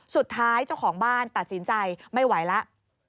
เจ้าของบ้านตัดสินใจไม่ไหวแล้ว